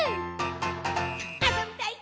「あそびたい！